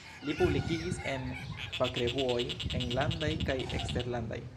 Li publikigis en fakrevuoj enlandaj kaj eksterlandaj.